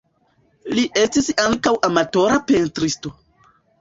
Li estis ankaŭ amatora pentristo.